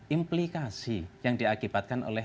implikasi yang diakibatkan oleh